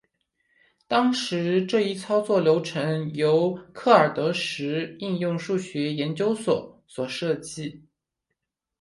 当时这一操作流程由克尔德什应用数学研究所所设计。